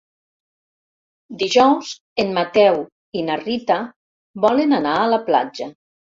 Dijous en Mateu i na Rita volen anar a la platja.